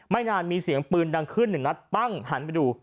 ไม่นานมีเสียงปืนดังขึ้น๑นัดปั้งหันไปดู